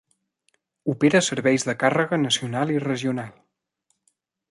Opera serveis de càrrega nacional i regional.